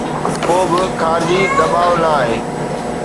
ڪوبه خارجي دٻاءُ ناهي.